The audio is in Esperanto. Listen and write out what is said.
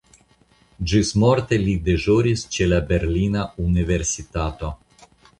Ĝismorte li deĵoris ĉe la berlina universitato.